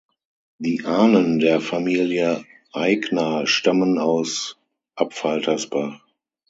Die Ahnen der Familie Aigner stammen aus Abfaltersbach.